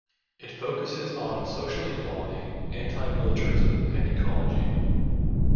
It focuses on social equality, anti-militarism and ecology.